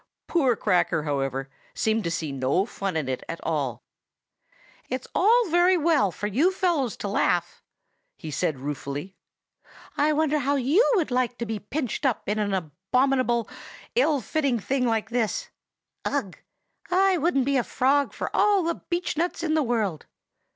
Poor Cracker, however, seemed to see no fun in it at all. "It's all very well for you fellows to laugh," he said ruefully. "I wonder how you would like to be pinched up in an abominable, ill fitting thing like this? Ugh! I wouldn't be a frog for all the beechnuts in the world.